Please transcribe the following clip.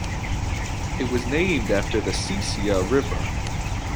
It was named after the Sesia river.